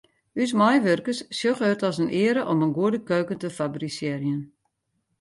Us meiwurkers sjogge it as in eare om in goede keuken te fabrisearjen.